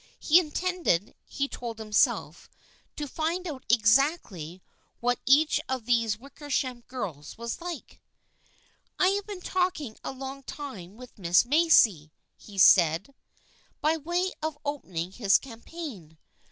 He intended, he told himself, to find out exactly what each of those Wickersham girls was like. " I have been talking a long time with Miss Macy," said he, by way of opening his campaign.